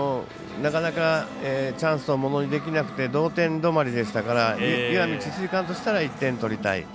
なかなか、チャンスをものにできなくて同点止まりでしたから石見智翠館としては１点取りたい。